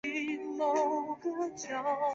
给她贴了暖暖包